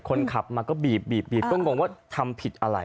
คนขับมาก็บีบก็งงว่าทำผิดอะไร